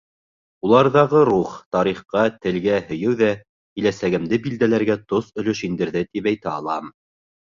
Уларҙағы рух, тарихҡа, телгә һөйөү ҙә киләсәгемде билдәләргә тос өлөш индерҙе, тип әйтә алам.